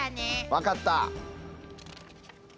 分かった。